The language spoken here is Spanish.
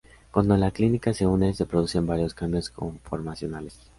Cuando la ciclina se une, se producen varios cambios conformacionales.